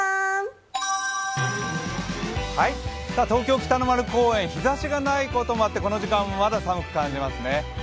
東京・北の丸公園、風がないこともあってこの時間はまだ寒く感じますね。